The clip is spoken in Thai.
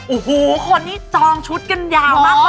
อูหูคนนี่จองชุดเกินยาวมาก